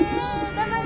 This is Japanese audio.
頑張れ。